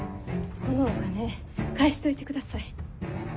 このお金返しといてください。